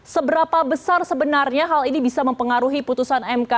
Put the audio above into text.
seberapa besar sebenarnya hal ini bisa mempengaruhi putusan mk